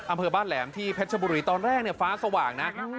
อำเภอบ้านแหลมที่เพชรชบุรีตอนแรกฟ้าสว่างนะ